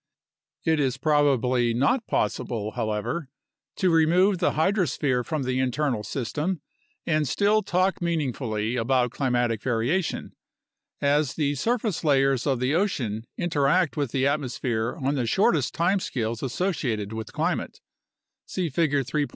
It is probably not possible, however, to remove the hydrosphere from the internal system and still talk meaningfully about climatic variation, as the surface layers of the ocean interact with the atmosphere on the shortest time scales associated with climate (see Figure 3.